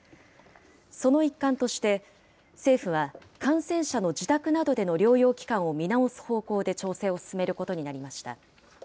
その一環として、政府は感染者の自宅などでの療養期間を見直す方向で調整を進めることになりました。